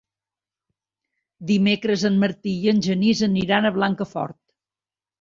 Dimecres en Martí i en Genís aniran a Blancafort.